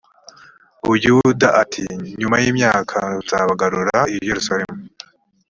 buyuda ati nyuma y imyaka nzabagarura i yerusalemu